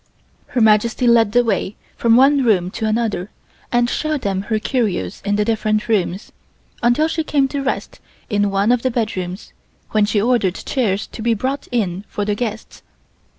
Her Majesty led the way from one room to another and showed them her curios in the different rooms, until she came to rest in one of the bedrooms, when she ordered chairs to be brought in for the guests.